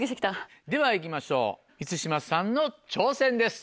では行きましょう満島さんの挑戦です。